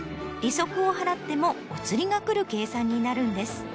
利息を払ってもお釣りがくる計算になるんです。